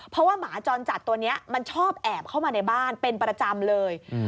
เพราะว่าหมาจรจัดตัวนี้มันชอบแอบเข้ามาในบ้านเป็นประจำเลย